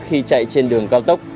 khi chạy trên đường cao tốc